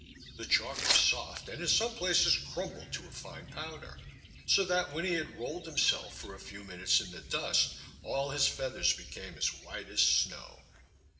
The chalk was soft and in some places crumbled to a fine powder, so that when he had rolled himself for a few minutes in the dust all his feathers became as white as snow.